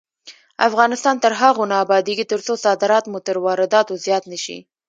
افغانستان تر هغو نه ابادیږي، ترڅو صادرات مو تر وارداتو زیات نشي.